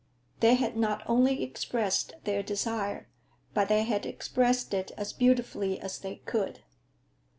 They had not only expressed their desire, but they had expressed it as beautifully as they could.